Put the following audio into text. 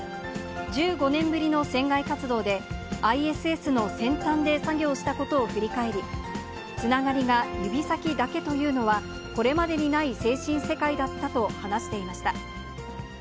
１５年ぶりの船外活動で、ＩＳＳの先端で作業したことを振り返り、つながりが指先だけというのは、これまでにない精神世界だったと話していました。